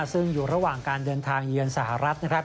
ซึ่งอยู่ระหว่างการเดินทางเยือนสหรัฐนะครับ